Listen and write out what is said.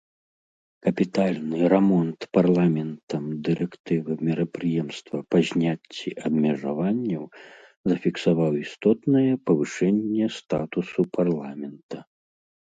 Капітальны рамонт парламентам дырэктывы мерапрыемства па зняцці абмежаванняў зафіксаваў істотнае павышэнне статусу парламента.